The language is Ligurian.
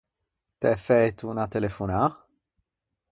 T’æ fæto unna telefonâ?